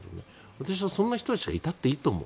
私はそんな人たちがいたっていいと思う。